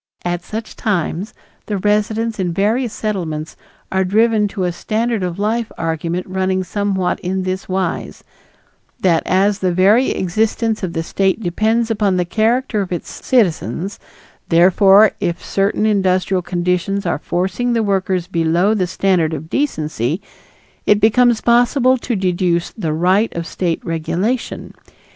At such time the residents in various Settlements are driven to a standard of life argument running somewhat in this wise that as the very existence of the State depends upon the character of its citizens, therefore if certain industrial conditions are forcing the workers below the standard of decency, it becomes possible to deduce the right of State regulation.